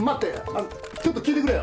あのちょっと聞いてくれよ。